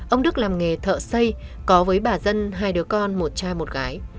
ông đức làm nghề thợ xây có với bà dân hai đứa con một cha một gái